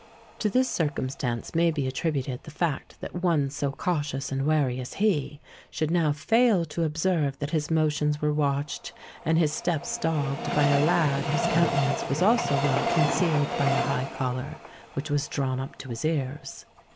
To this circumstance may be attributed the fact that one so cautious and wary as he, should now fail to observe that his motions were watched and his steps dogged by a lad whose countenance was also well concealed by a high collar which was drawn up to his ears.